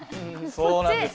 そうなんです。